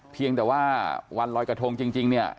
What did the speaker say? เพียงแต่ว่าวันลอยกระทงจริงเนี่ย